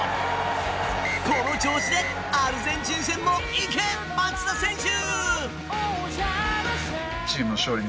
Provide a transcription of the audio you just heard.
この調子でアルゼンチン戦もいけ、松田選手！